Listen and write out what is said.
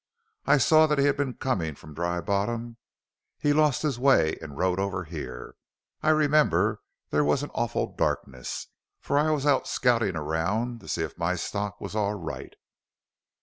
I saw that he had been comin' from Dry Bottom. He lost his way an' rode over here. I remember there was an awful darkness, for I was out scoutin' around to see if my stock was all right.